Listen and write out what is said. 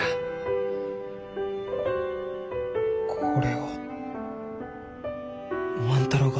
これを万太郎が？